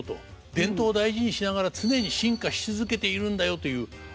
伝統を大事にしながら常に進化し続けているんだよという証しなのかもしれませんね。